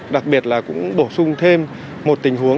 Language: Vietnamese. đặc biệt là cũng bổ sung thêm một tình huống